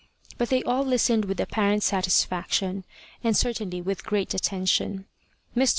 But they all listened with apparent satisfaction, and certainly with great attention. Mr.